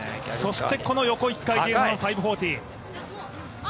そしてこの横１回転半、５４０。